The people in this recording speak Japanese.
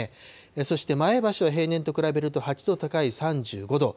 そして、前橋は平年と比べると８度高い３５度。